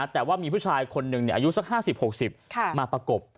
แต่ว่ามีผู้ชายคนหนึ่งอายุสัก๕๐๖๐มาประกบ